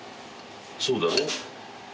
そうだろ？